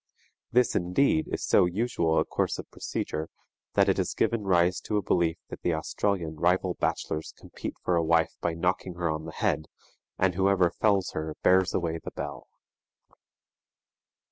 This, indeed, is so usual a course of procedure, that it has given rise to a belief that the Australian rival bachelors compete for a wife by knocking her on the head, and whoever fells her bears away the belle.